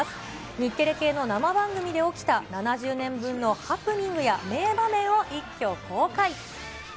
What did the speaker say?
日テレ系の生番組で起きた７０年分のハプニングや名場面を一挙公開。